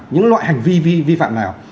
những loại hành vi vi phạm nào